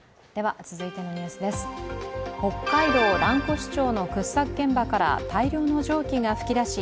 北海道蘭越町の掘削現場から大量の蒸気が噴き出し